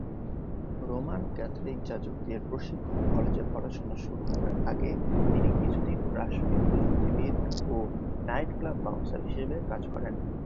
Roman Catholic যাজকদের প্রশিক্ষণ কলেজে পড়াশোনা শুরু করার আগে তিনি কিছুদিন রাসায়নিক প্রযুক্তিবিদ ও 'নাইট ক্লাব বাউন্সার' হিসেবে কাজ করেন।